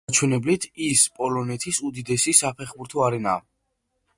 ამ მაჩვენებლით ის პოლონეთის უდიდესი საფეხბურთო არენაა.